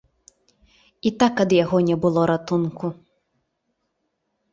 І так ад яго не было ратунку.